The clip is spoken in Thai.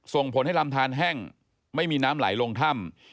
ส่งผลให้ลำทานแห้งไม่มีน้ำไหลลงถ้ำ